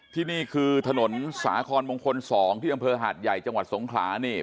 ที่นี่คือถนนสาคอนมงคล๒ที่อำเภอหาดใหญ่จังหวัดสงขลานี่